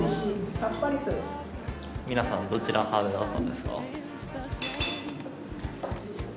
皆さんどちら派だったんですか？